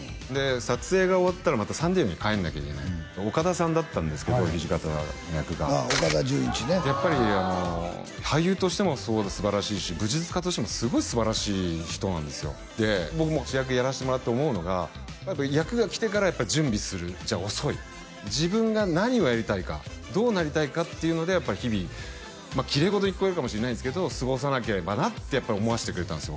撮影が終わったらまたサンディエゴに帰らなきゃいけない岡田さんだったんですけど土方役がああ岡田准一ねやっぱり俳優としてもすごくすばらしいし武術家としてもすごいすばらしい人なんですよで僕も主役やらせてもらって思うのがやっぱ役が来てから準備するじゃ遅い自分が何をやりたいかどうなりたいかっていうのでやっぱり日々まあきれいごとに聞こえるかもしれないですけど過ごさなければなって思わせてくれたんですよ